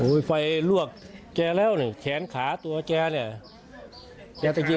อุ้ยไฟลวกแจแล้วนี่แขนขาตัวแจนี่